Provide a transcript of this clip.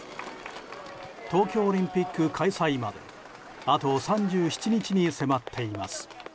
東京オリンピック開催まであと３７日に迫っています。